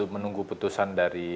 menunggu putusan dari